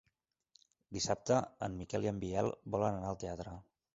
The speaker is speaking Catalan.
Dissabte en Miquel i en Biel volen anar al teatre.